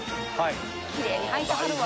きれいに履いてはるわ。